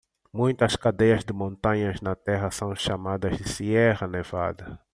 Muitas cadeias de montanhas na terra são chamadas Sierra Nevada.